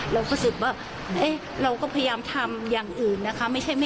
เรารู้สึกว่าเราก็พยายามทำอย่างอื่นนะคะ